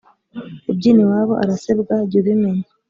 Ubyina iwabo arasebwa jy’ubimenya